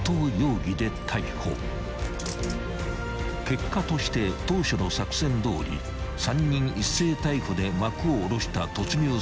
［結果として当初の作戦どおり３人一斉逮捕で幕を下ろした突入作戦］